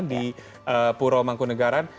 di pura mangkunagaran